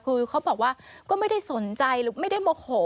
คือเขาบอกว่าก็ไม่ได้สนใจหรือไม่ได้โมโห